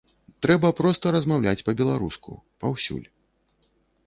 Трэба проста размаўляць па-беларуску, паўсюль.